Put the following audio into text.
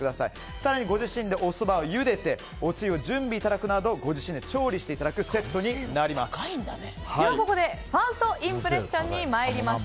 更に、ご自身でおそばをゆでておつゆを準備いただくなどご自身で調理していただくでは、ここでファーストインプレッションです。